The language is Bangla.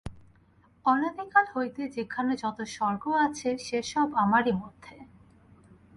অনাদিকাল হইতে যেখানে যত স্বর্গ আছে, সে-সব আমারই মধ্যে।